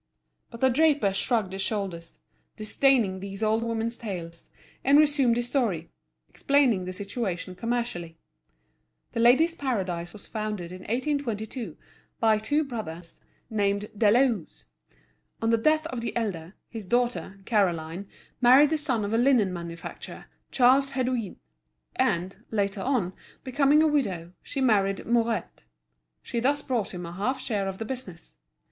But the draper shrugged his shoulders, disdaining these old women's tales, and resumed his story, explaining the situation commercially. The Ladies' Paradise was founded in 1822 by two brothers, named Deleuze. On the death of the elder, his daughter, Caroline, married the son of a linen manufacturer, Charles Hédouin; and, later on, becoming a widow, she married Mouret. She thus brought him a half share of the business.